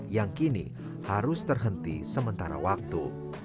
yang kini harus terhenti sementara waktu